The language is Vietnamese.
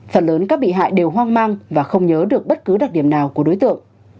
phần lớn các bị hại đều hoang mang và không nhớ được bất cứ đặc điểm nào của đối tượng